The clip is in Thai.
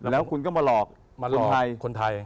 แล้วคุณก็มาหลอกคนไทย